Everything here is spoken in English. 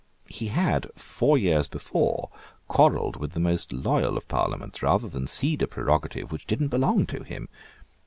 He had, four years before, quarrelled with the most loyal of parliaments rather than cede a prerogative which did not belong to him.